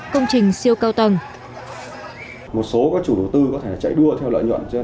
công trình siêu cao tầng